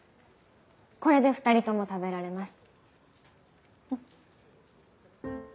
これで２人とも食べられます。